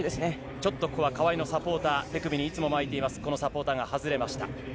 ちょっとここは川井のサポーター、手首にいつも巻いています、これが外れました。